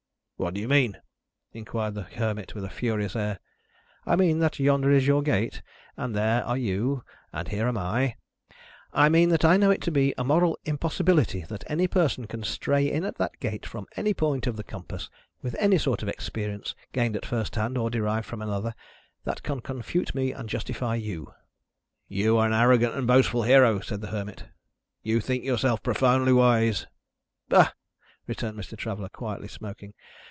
"What do you mean?" inquired the Hermit, with a furious air. "I mean that yonder is your gate, and there are you, and here am I; I mean that I know it to be a moral impossibility that any person can stray in at that gate from any point of the compass, with any sort of experience, gained at first hand, or derived from another, that can confute me and justify you." "You are an arrogant and boastful hero," said the Hermit. "You think yourself profoundly wise." "Bah!" returned Mr. Traveller, quietly smoking.